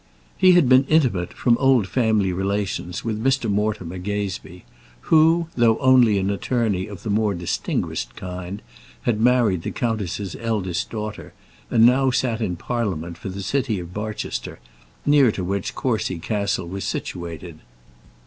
He had been intimate, from old family relations, with Mr. Mortimer Gazebee, who, though only an attorney of the more distinguished kind, had married the countess's eldest daughter, and now sat in Parliament for the city of Barchester, near to which Courcy Castle was situated.